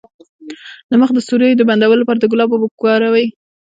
د مخ د سوریو د بندولو لپاره د ګلاب اوبه وکاروئ